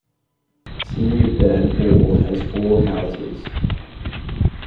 Senior Burn Hall has four houses.